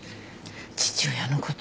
父親のこと